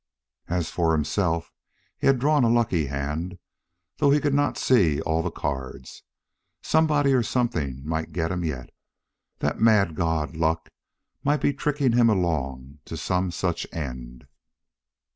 As for himself, he had drawn a lucky hand, though he could not see all the cards. Somebody or something might get him yet. The mad god, Luck, might be tricking him along to some such end.